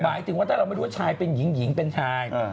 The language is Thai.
หมายถึงว่าถ้าเราไม่รู้ว่าชายเป็นหญิงเป็นชาย